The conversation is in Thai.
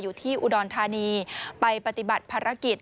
อยู่ที่อุดรธานีไปปฏิบัติภารกิจ